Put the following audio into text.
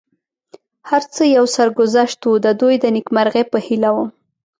هر څه یو سرګذشت و، د دوی د نېکمرغۍ په هیله ووم.